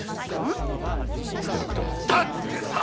ん？だってさ！